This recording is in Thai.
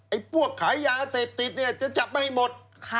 ไอ้พวกขายยาเสพติดจะจับมาให้หมด